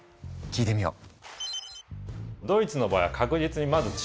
聞いてみよう！